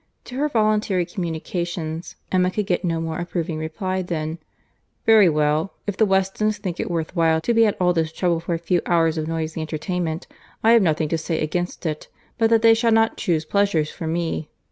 To her voluntary communications Emma could get no more approving reply, than, "Very well. If the Westons think it worth while to be at all this trouble for a few hours of noisy entertainment, I have nothing to say against it, but that they shall not chuse pleasures for me.